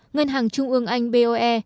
ngân hàng trung ương anh boe